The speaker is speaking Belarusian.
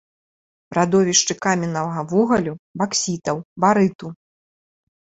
Радовішчы каменнага вугалю, баксітаў, барыту.